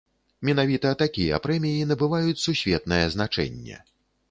Менавіта такія прэміі набываюць сусветнае значэнне.